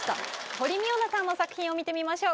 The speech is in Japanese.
堀未央奈さんの作品を見てみましょう。